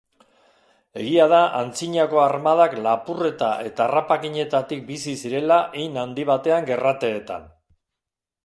Egia da antzinako armadak lapurreta eta harrapakinetatik bizi zirela hein handi batean gerrateetan.